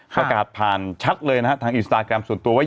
ประกาศผ่านชัดเลยนะฮะทางอินสตาแกรมส่วนตัวว่า